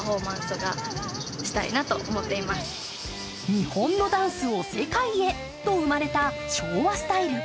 日本のダンスを世界へと生まれた昭和スタイル。